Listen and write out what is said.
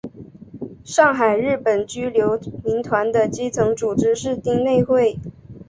上海日本居留民团的基层组织是町内会。